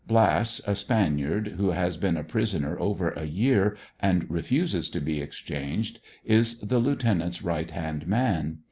Blass, a Spaniard, who has been a prisoner over a year and refuses to be exchanged, is the lieutenant's right hand man.